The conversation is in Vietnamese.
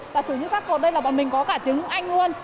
đặc sử như các cột đây là bọn mình có cả tiếng anh luôn